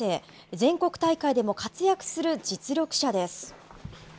全国大会でも活躍する実力者です。